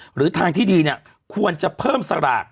หรือทางที่ดีเนี่ยควรจะเพิ่มสลาก